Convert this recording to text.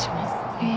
へぇ。